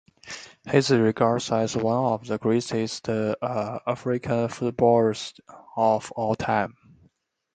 He is regarded as one of the greatest African footballers of all time.